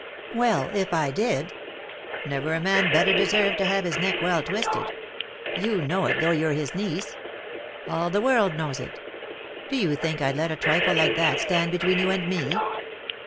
Well, if I did ? Never a man better deserved to have his neck well twisted ; you know it, though you're his niece. All the world knows it Do you think I'd let a trifle like that stand between you and me